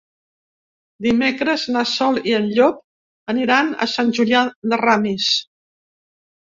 Dimecres na Sol i en Llop aniran a Sant Julià de Ramis.